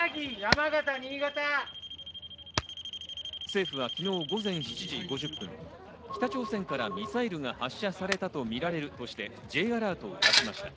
政府は昨日午前７時５０分、北朝鮮からミサイルが発射されたとみられるとしてＪアラートを出しました。